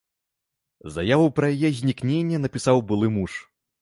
Заяву пра яе знікненне напісаў былы муж.